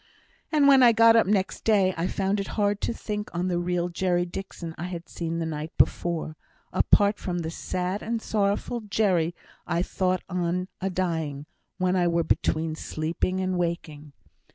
And when I got up next day, I found it hard to think on the real Jerry Dixon I had seen the night before, apart from the sad and sorrowful Jerry I thought on a dying, when I were between sleeping and waking.